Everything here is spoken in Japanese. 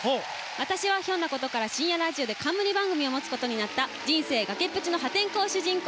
私はひょんなことから深夜のラジオ番組で冠番組を持つことになった人生崖っぷちの破天荒主人公